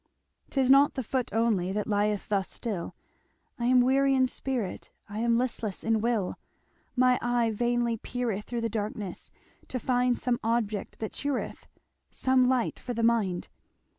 "Tis not the foot only That lieth thus still, I am weary in spirit, I am listless in will. My eye vainly peereth Through the darkness, to find Some object that cheereth Some light for the mind.